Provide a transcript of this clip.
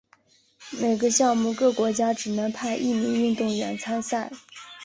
每个项目各国家只能派一名运动员参赛。